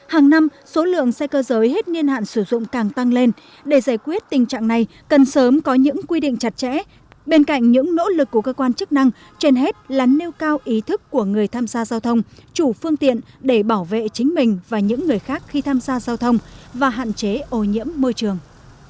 hàng năm số lượng xe cơ giới hết niên hạn sử dụng càng tăng lên để giải quyết tình trạng này cần sớm có những quy định chặt chẽ bên cạnh những nỗ lực của cơ quan chức năng trên hết là nêu cao ý thức của người tham gia giao thông chủ phương tiện để bảo vệ chính mình và những người khác khi tham gia giao thông và hạn chế ô nhiễm môi trường